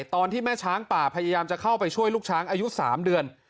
ตอนที่แม่ช้างป่าพยายามจะเข้าไปช่วยลูกช้างอายุ๓เดือน